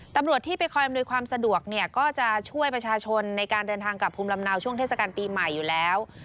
ตำรวจที่ไปคอยอำนวยความสะดวกเนี่ยก็จะช่วยประชาชนในการเดินทางกลับภูมิลำเนาช่วงเทศกาลปีใหม่อยู่แล้ว